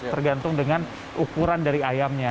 tergantung dengan ukuran dari ayamnya